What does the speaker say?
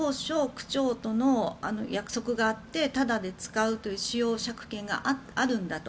当初、区長との約束があってタダで使うという使用借権があるんだと。